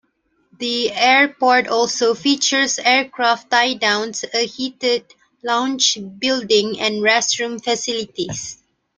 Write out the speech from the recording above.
The airport also features aircraft tie-downs, a heated lounge building and restroom facilities.